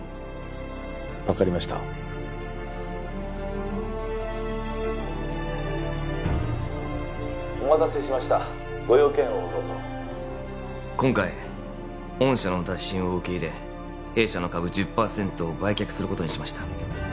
分かりましたお待たせしましたご用件をどうぞ今回御社の打診を受け入れ弊社の株１０％を売却することにしました